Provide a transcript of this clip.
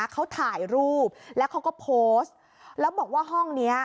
เขาถ่ายรูปแล้วเขาก็โพสต์แล้วบอกว่าห้องนี้